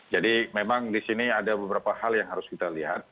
jadi memang di sini ada beberapa hal yang harus kita lihat